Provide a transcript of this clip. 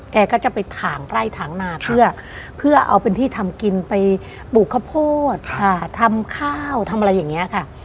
แกก็จะไปถ่างใกล้ถางนาเพื่อเอาเป็นที่ทำกินไปปลูกข้าวโพดทำข้าวทำอะไรอย่างนี้ค่ะ